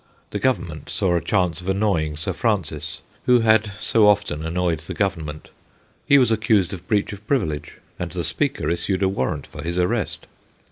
The Government saw a chance of annoying Sir Francis, who had so often annoyed the Government ; he was accused of breach of privilege, and the Speaker issued a warrant for his arrest.